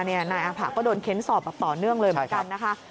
นายอาผะก็โดนเค้นสอบแบบต่อเนื่องเลยเหมือนกันนะคะ